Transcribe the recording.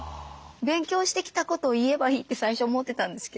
勉強してきたことを言えばいいって最初思ってたんですけど